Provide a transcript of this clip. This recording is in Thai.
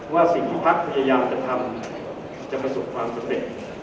ว่าสิ่งที่พักพยายามจะทำจะประสบความสำเร็จ